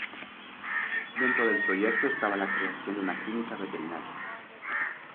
Dentro del proyecto estaba la creación de una clínica veterinaria.